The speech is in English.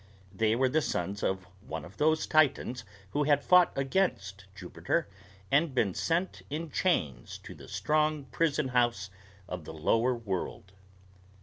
They were the sons of one of those Titans who had fought against Jupiter and been sent in chains to the strong prison house of the Lower World.